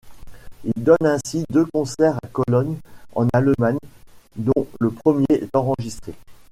Ils donnent ainsi deux concerts à Cologne en Allemagne dont le premier est enregistré.